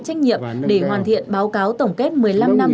trách nhiệm để hoàn thiện báo cáo tổng kết một mươi năm năm